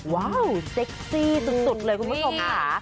ว้าวเซ็กซี่สุดเลยคุณผู้ชมค่ะ